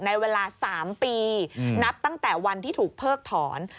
ในเวลา๓ปีนับตั้งแต่วันที่ถูกเพิกถอน